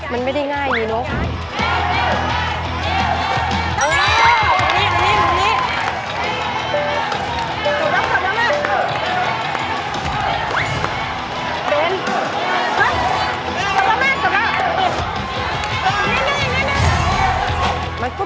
มันไม่ได้ง่ายไงเนอะ